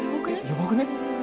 やばくね？